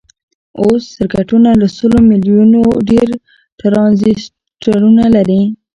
اوس سرکټونه له سلو میلیونو ډیر ټرانزیسټرونه لري.